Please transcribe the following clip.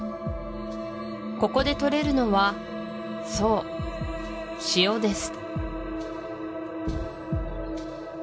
ここでとれるのはそう塩です